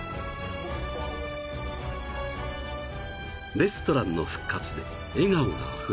［レストランの復活で笑顔があふれ］